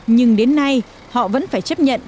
nhưng đến nay họ vẫn phải chấp nhận